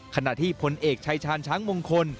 ขณะที่พลเอกชายชาญช้างมงคล